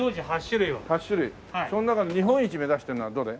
その中で日本一目指してるのはどれ？